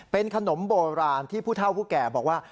เป็นขนมโบราณที่ผู้เท่าผู้แก่บอกว่า